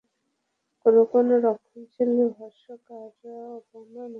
কোনো কোনো রক্ষণশীল ভাষ্যকার ওবামার মসজিদে যাওয়ার বিষয়টি নিয়ে কড়া সমালোচনা করেছেন।